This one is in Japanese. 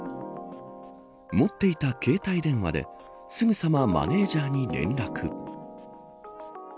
持っていた携帯電話ですぐさまマネジャーに連絡。